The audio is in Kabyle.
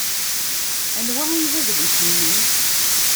Anwa ay d adlis-nnem?